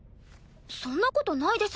そんなことないです。